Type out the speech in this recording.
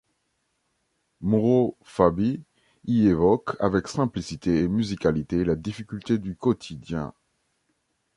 Mauro Fabi y évoque avec simplicité et musicalité la difficulté du quotidien.